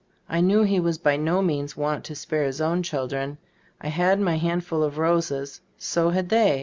I knew he was by no means wont to spare his own children. I had my handful of roses — so had they.